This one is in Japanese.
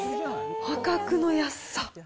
破格の安さ。